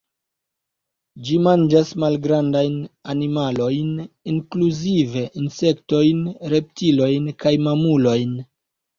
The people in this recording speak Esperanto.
Ĝi manĝas malgrandajn animalojn, inklude insektojn, reptiliojn kaj mamulojn.